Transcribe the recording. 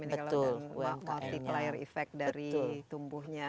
ini kalau ada multi layer effect dari tumbuhnya